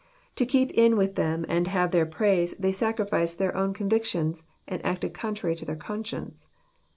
To keep In with them and have their praise, they sacrificed their own convictions, and acted contrary to their conscience.